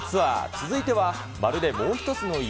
続いては、まるでもう一つの家？